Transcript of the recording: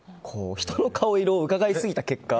人の顔色をうかがいすぎた結果。